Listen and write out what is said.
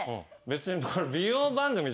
別に。